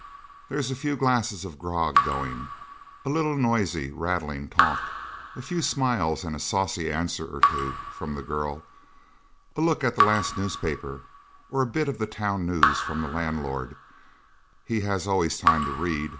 There's a few glasses of grog going, a little noisy, rattling talk, a few smiles and a saucy answer or two from the girl, a look at the last newspaper, or a bit of the town news from the landlord; he's always time to read.